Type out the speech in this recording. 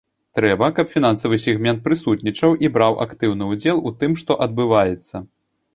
Трэба, каб фінансавы сегмент прысутнічаў і браў актыўны ўдзел у тым, што адбываецца.